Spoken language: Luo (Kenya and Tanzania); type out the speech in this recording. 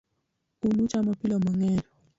Un uchamo apilo mangeny